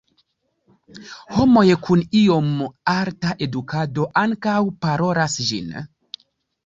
Homoj kun iom alta edukado ankaŭ parolas ĝin.